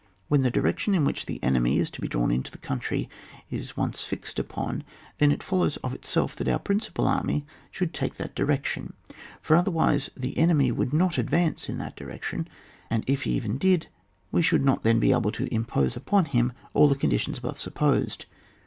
When the direction in which the enemy is to be drawn into the country is once fixed upon, then it follows of itself that our principal army shoidd take that direction, lor otherwise the enemy would not advance in that direction, and if he even did we should not then be able to im pose upon him all the conditions above supposed.